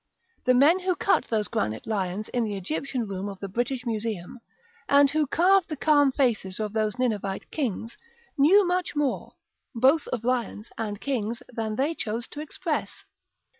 The men who cut those granite lions in the Egyptian room of the British Museum, and who carved the calm faces of those Ninevite kings, knew much more, both of lions and kings, than they chose to express.